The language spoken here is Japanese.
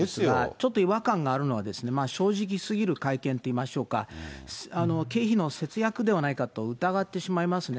ちょっと違和感があるのは、正直すぎる会見っていいましょうか、経費の節約ではないかと疑ってしまいますね。